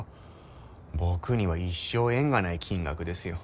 僕には一生縁がない金額ですよ。